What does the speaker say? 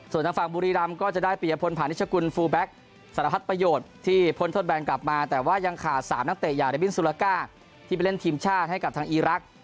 ส่วนทางฝั่งบุรีรำก็จะได้ปียพลผ่านนิชกุลฟูแบ็คสารพัดประโยชน์ที่พ้นโทษแบนกลับมาแต่ว่ายังขาด๓นักเตะอย่างเดบินซูลาก้าที่ไปเล่นทีมชาติให้กับทางอีรักษ์